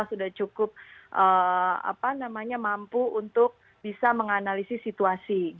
sudah cukup mampu untuk bisa menganalisis situasi